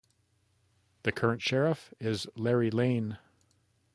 The current sheriff is Larry Lane.